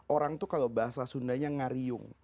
orang itu kalau bahasa sundanya ngariung